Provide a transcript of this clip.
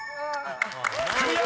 ［クリア！］